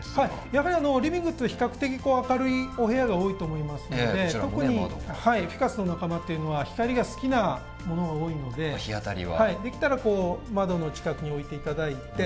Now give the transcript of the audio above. やはりリビングって比較的明るいお部屋が多いと思いますので特にフィカスの仲間っていうのは光が好きなものが多いのでできたらこう窓の近くに置いて頂いて。